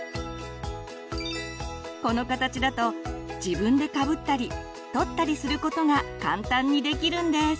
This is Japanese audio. この形だと自分でかぶったり取ったりすることが簡単にできるんです。